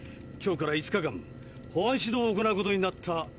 今日から５日間保安指導を行うことになった。